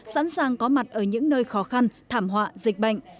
sẵn sàng có mặt ở những nơi khó khăn thảm họa dịch bệnh